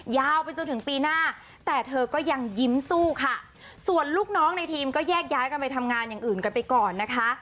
ยาวไปจนถึงปีหน้าแต่เธอก็ยังยิ้มสู้ค่ะส่วนลูกน้องในทีมก็แยกย้ายกันไปทำงานอย่างอื่นกันไปก่อนนะคะ